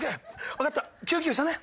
わかった救急車ね。